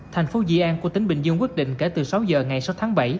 thành phố di an của tỉnh bình dương quyết định kể từ sáu giờ ngày sáu tháng bảy